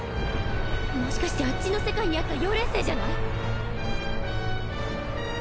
もしかしてあっちの世界にあった妖霊星じゃない！？